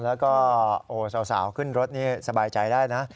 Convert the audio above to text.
แล้วก็สาวขึ้นรถนี่สบายใจได้นะ